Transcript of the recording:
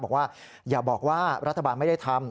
บอกว่าอย่าบอกว่ารัฐบาลไม่ได้ทำ